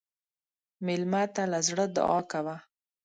مېلمه ته له زړه دعا کوه.